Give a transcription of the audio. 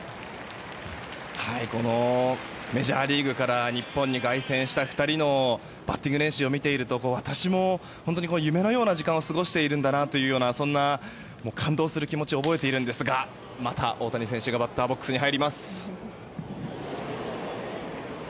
メジャーリーグから日本に凱旋した２人のバッティング練習を見ていると私も夢のような時間を過ごしているんだなとそんな感動する気持ちを覚えているんですがまた大谷選手がバッターボックスに入ります。